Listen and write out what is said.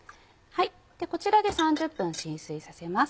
こちらで３０分浸水させます。